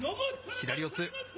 左四つ。